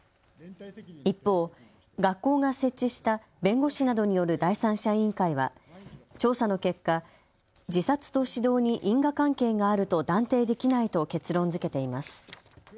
一方、学校が設置した弁護士などによる第三者委員会は調査の結果、自殺と指導に因果関係があると断定できないと結論づけています。